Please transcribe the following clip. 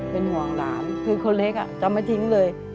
เป็นห่วงหลานคือคนเล็กจะไม่ทิ้งเลย